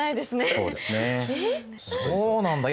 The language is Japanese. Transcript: そうなんだ。